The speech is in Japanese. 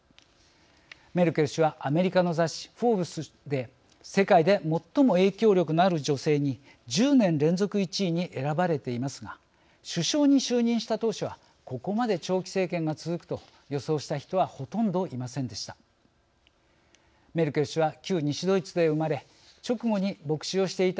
メルケル氏はアメリカの雑誌フォーブスで世界で最も影響力のある女性に１０年連続１位に選ばれていますが首相に就任した当初はここまで長期政権が続くと予想した人はほとんどいませんでした。